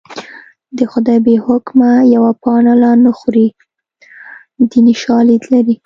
د خدای بې حکمه یوه پاڼه لا نه خوري دیني شالید لري